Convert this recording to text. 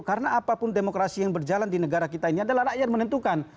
karena apapun demokrasi yang berjalan di negara kita ini adalah rakyat menentukan